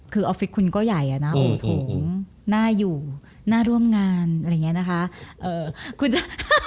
คือออฟฟิศคุณก็ใหญ่อะนะน่าอยู่น่าร่วมงานอะไรอย่างนี้นะคะ